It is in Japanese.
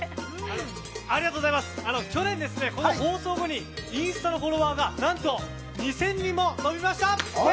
去年、この放送後にインスタのフォロワーが何と２０００人ものびました。